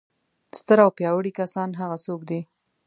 ستر او پیاوړي کسان هغه څوک دي.